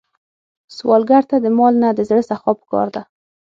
سوالګر ته د مال نه، د زړه سخا پکار ده